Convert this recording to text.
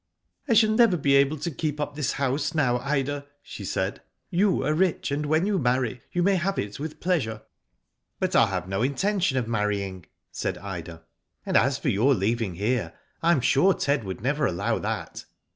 ^* I shall never be able to keep up this house now, Ida,*' she said. '* You are rich, and when you marry you may have it with pleasure." '* But I have no intention of marrying," said Ida. *' And as for your leaving here, I am sure Ted would never allow that."